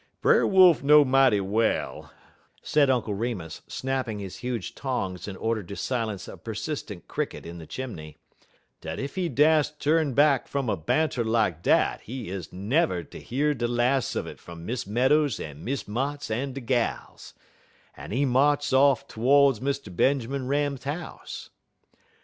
"Brer Wolf know mighty well," said Uncle Remus, snapping his huge tongs in order to silence a persistent cricket in the chimney, "dat ef he dast ter back out fum a banter lak dat he never is ter year de las' un it fum Miss Meadows en Miss Motts en de gals, en he march off todes Mr. Benjermun Ram house.